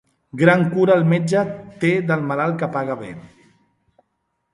Gran cura el metge té del malalt que paga bé.